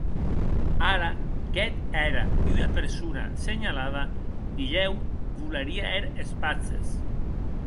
Ara qu'eth ère ua persona senhalada, dilhèu volerie hèr es patzes.